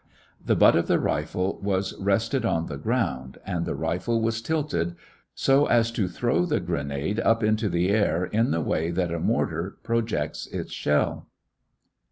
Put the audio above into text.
The butt of the rifle was rested on the ground and the rifle was tilted so as to throw the grenade up into the air in the way that a mortar projects its shell.